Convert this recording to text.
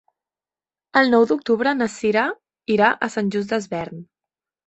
El nou d'octubre na Cira irà a Sant Just Desvern.